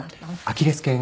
アキレス腱。